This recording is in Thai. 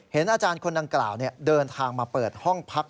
อาจารย์คนดังกล่าวเดินทางมาเปิดห้องพัก